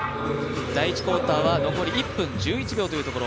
第１クオーターは残り１分１１秒というところ。